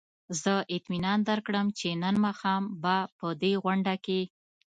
زه اطمینان درکړم چې نن ماښام به په دې غونډه کې.